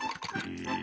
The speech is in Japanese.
うん？